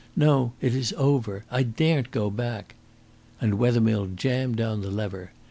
"No; it is over. I daren't go back." And Wethermill jammed down the lever.